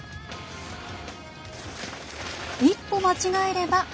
一歩間違えれば。